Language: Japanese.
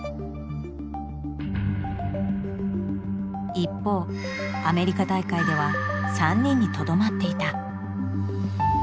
一方アメリカ大会では３人にとどまっていた。